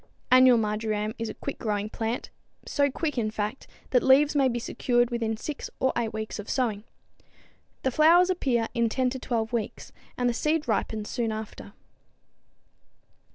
Annual marjoram is a quick growing plant so quick, in fact, that leaves may be secured within six or eight weeks of sowing. The flowers appear in 10 to 12 weeks, and the seed ripens soon after.